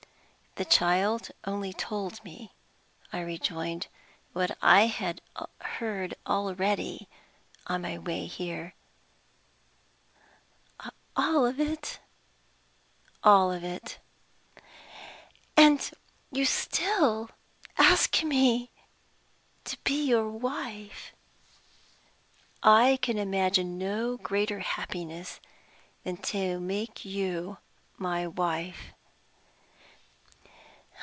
"The child only told me," I rejoined, "what I had heard already, on my way here." "All of it?" "All of it." "And you still ask me to be your wife?" "I can imagine no greater happiness than to make you my wife."